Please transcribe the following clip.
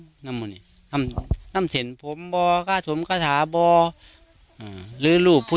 นั่นมันนี่นั่นสินพรมบ่ากาทมกาสาบ่าอ่าหรือรูปผู้